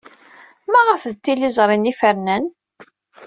Maɣef d tizlit-nni ay fernen?